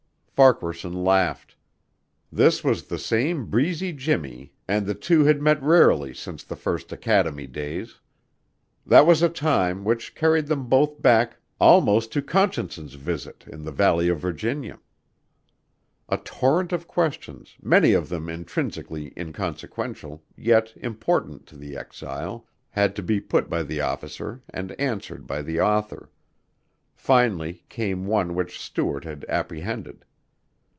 Farquaharson laughed. This was the same breezy Jimmy and the two had met rarely since the first academy days. That was a time which carried them both back almost to Conscience's visit in the Valley of Virginia. A torrent of questions, many of them intrinsically inconsequential yet important to the exile, had to be put by the officer and answered by the author. Finally came one which Stuart had apprehended.